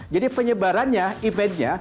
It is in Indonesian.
jadi penyebarannya eventnya